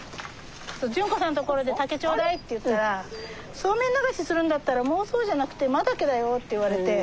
潤子さんのところで「竹頂戴」って言ったら「そうめん流しするんだったら孟宗じゃなくて真竹だよ」って言われて。